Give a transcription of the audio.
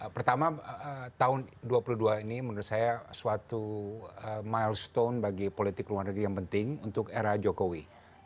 pertama tahun dua ribu dua puluh dua ini menurut saya suatu milestone bagi politik luar negeri yang penting untuk era jokowi